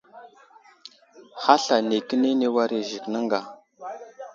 Hasla nikəni ni war i Zik nəŋga.